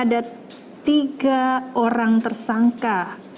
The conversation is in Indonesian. ada tiga orang tersangka